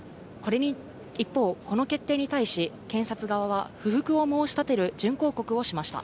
一方、この決定に対し、検察側は不服を申し立てる準抗告をしました。